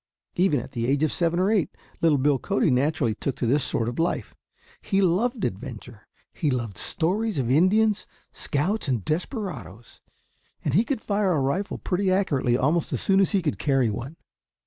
Even at the age of seven or eight little Bill Cody naturally took to this sort of life. He loved adventure. He loved stories of Indians, scouts, and desperadoes, and he could fire a rifle pretty accurately almost as soon as he could carry one.